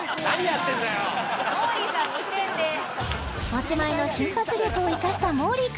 持ち前の瞬発力を生かしたもーりー